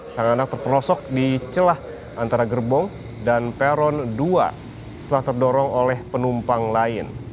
sang anak terperosok di celah antara gerbong dan peron dua setelah terdorong oleh penumpang lain